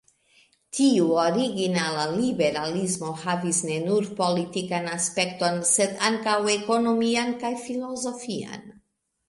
Tiu originala liberalismo havis ne nur politikan aspekton, sed ankaŭ ekonomian kaj filozofian.